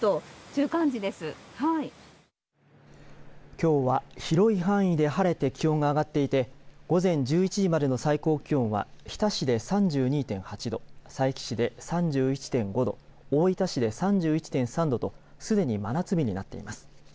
きょうは広い範囲で晴れて気温が上がっていて午前１１時までの最高気温は日田市で３２．８度佐伯市で３１．５度大分市で３１．３度とすでに真夏日になっています。